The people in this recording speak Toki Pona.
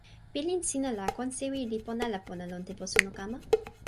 pilin sina la kon sewi li pona ala pona lon tenpo suno kama?